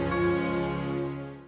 sampai jumpa lagi